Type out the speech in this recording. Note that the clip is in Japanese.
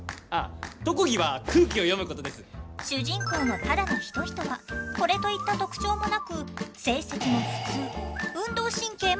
主人公の只野仁人はこれといった特徴もなく成績も普通運動神経も普通。